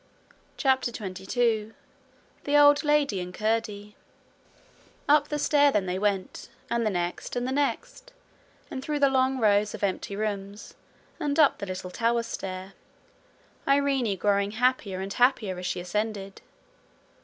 CHAPTER 22 The Old Lady and Curdie Up the stair then they went, and the next and the next, and through the long rows of empty rooms, and up the little tower stair, Irene growing happier and happier as she ascended.